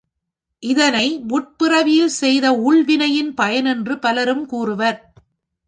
இதனை முற்பிறவியில் செய்த ஊழ் வினையின் பயன் என்று பலரும் கூறுவர்.